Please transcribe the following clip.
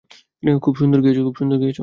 খুব সুন্দর গেয়েছ!